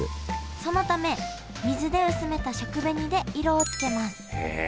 そのため水で薄めた食紅で色をつけます